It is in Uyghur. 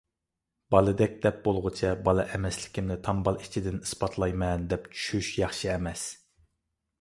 «بالىدەك» دەپ بولغۇچە بالا ئەمەسلىكىمنى تامبال ئىچىدىن ئىسپاتلايمەن، دەپ چۈشۈش ياخشى ئەمەس.